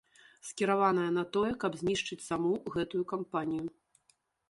Скіраваная на тое, каб знішчыць саму гэтую кампанію.